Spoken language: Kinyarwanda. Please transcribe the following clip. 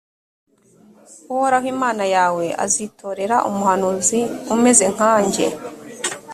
uhoraho imana yawe azitorera umuhanuzi umeze nkanjye,